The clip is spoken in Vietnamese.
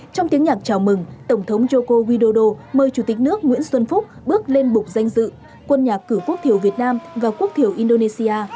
trong tiếng nhạc chào mừng tổng thống joko widodo mời chủ tịch nước nguyễn xuân phúc bước lên bục danh dự quân nhà cử quốc thiểu việt nam và quốc thiểu indonesia